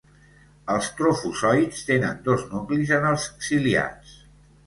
Els trofozoïts tenen dos nuclis en els ciliats.